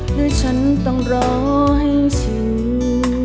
หรือฉันต้องรอให้ถึง